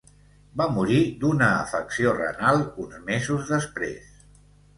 Va morir d'una afecció renal uns mesos després.